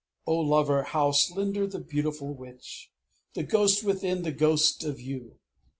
O lover, how slender the beautiful witch, the ghost within the ghost of you!